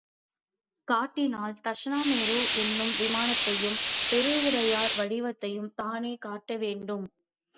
காட்டினால் தக்ஷணமேரு என்னும் விமானத்தையும், பெருவுடையார் வடிவத்தையும் தானே காட்ட வேண்டும்.